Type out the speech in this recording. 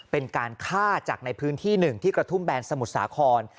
เป็นการฆ่าจากในพื้นที่หนึ่งที่กระทุ่มแบนสมุทรสาคร